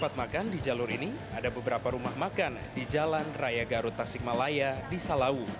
tempat makan di jalur ini ada beberapa rumah makan di jalan raya garut tasikmalaya di salawu